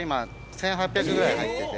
１，８００個ぐらい入ってて。